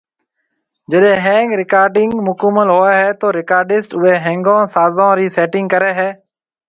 جڏي ۿينگ رڪارڊنگ مڪمل ھوئي تو رڪارڊسٽ اوئي ۿينگون سازون ري سيٽنگ ڪري ھيَََ